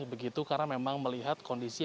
begitu karena memang melihat kondisi